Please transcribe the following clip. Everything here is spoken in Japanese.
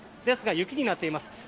ですが雪になっています。